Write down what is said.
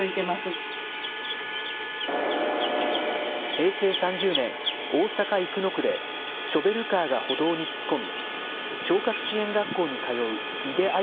平成３０年、大阪・生野区で、ショベルカーが歩道に突っ込み、聴覚支援学校に通う井出安